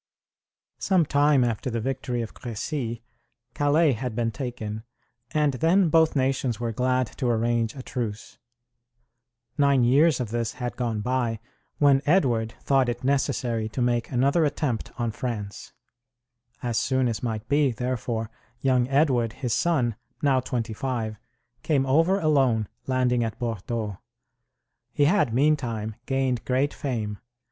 Some time after the victory of Crecy, Calais had been taken, and then both nations were glad to arrange a truce. Nine years of this had gone by, when Edward thought it necessary to make another attempt on France. As soon as might be, therefore, young Edward, his son, now twenty five, came over alone, landing at Bordeaux. He had, meantime, gained great fame.